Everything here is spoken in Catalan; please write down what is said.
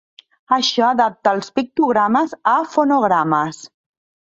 Això adapta els pictogrames a fonogrames.